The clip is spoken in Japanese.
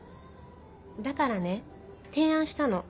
だからね提案したの。